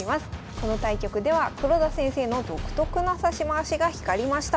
この対局では黒田先生の独特な指し回しが光りました。